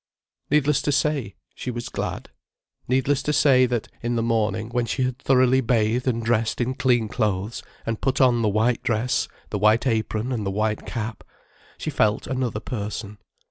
Needless to say, she was glad. Needless to say that, in the morning, when she had thoroughly bathed, and dressed in clean clothes, and put on the white dress, the white apron, and the white cap, she felt another person.